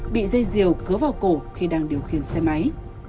bị dây diều cứa vào cổ khi đang điều khiển xe máy